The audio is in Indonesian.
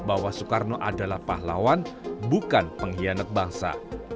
bahwa soekarno adalah pahlawan bukan pengkhianat bangsa